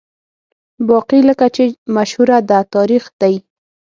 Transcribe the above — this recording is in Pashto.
باقي لکه چې مشهوره ده، تاریخ دی.